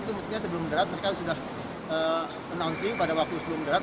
itu mestinya sebelum mendarat mereka sudah menangsi pada waktu sebelum mendarat